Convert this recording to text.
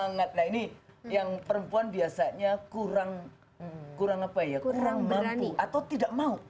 nah ini yang perempuan biasanya kurang mampu atau tidak mau